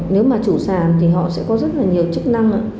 nếu mà chủ sản thì họ sẽ có rất là nhiều chức năng